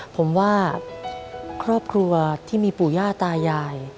ผมว่าครอบครัวที่มีปู่ย่าตายาย